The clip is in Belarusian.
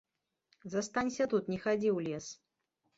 Застанься тут, не хадзі ў лес.